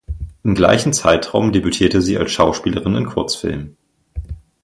Im gleichen Zeitraum debütierte sie als Schauspielerin in Kurzfilmen.